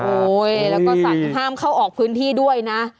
แล้วก็สั่งห้ามเข้าออกพื้นที่ด้วยนะ